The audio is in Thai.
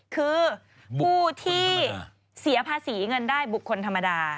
คือผู้ที่เสียภาษีเงินได้บุคคลธรรมดา